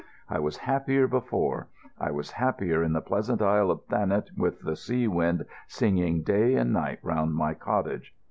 I was happier before; I was happier in the pleasant Isle of Thanet with the sea wind singing day and night round my cottage.